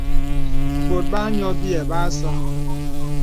Bɔ̀t bā nyɔ byə̂ bə a sɔk.